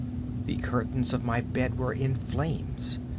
The curtains of my bed were in flames.